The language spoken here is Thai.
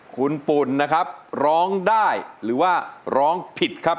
คุณปุ่นนะครับร้องได้หรือว่าร้องผิดครับ